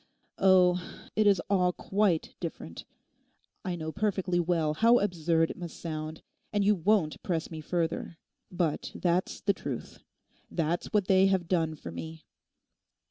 Oh, it is all quite different. I know perfectly well how absurd it must sound. And you won't press me further. But that's the truth: that's what they have done for me.